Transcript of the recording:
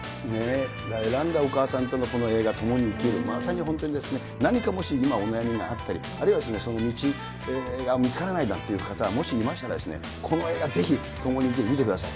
だから、選んだお母さんとのこの映画共に生きる、まさに本当に、何かもし今、お悩みがあったり、あるいはですね、道が見つからないなんていう方が、もしいましたらですね、この映画、ぜひ、共に生きる、見てください。